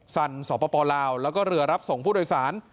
สันสปลาวแล้วก็เรือรับส่งผู้โดยสาร